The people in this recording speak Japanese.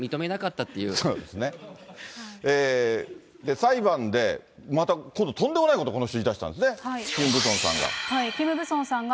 裁判で、また今度、とんでもないことをこの人、言いだしたんですね、キム・ブソンさんが。